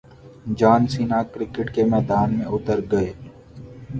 جان Cena cricket کے میدان میں اتر گئے